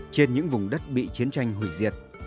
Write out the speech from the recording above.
trên những vùng đất bị chiến tranh hủy diệt